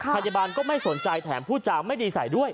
พยาบาลก็ไม่สนใจแถมพูดจาไม่ดีใส่ด้วย